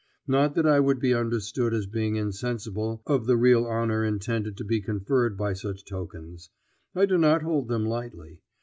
Not that I would be understood as being insensible of the real honor intended to be conferred by such tokens. I do not hold them lightly.